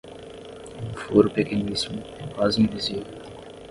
Um furo pequeníssimo, quase invisível.